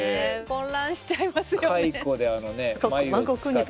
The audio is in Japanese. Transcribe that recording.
混乱しちゃいますよね。